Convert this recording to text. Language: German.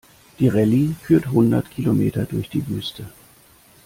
Die Rallye führt hundert Kilometer durch die Wüste.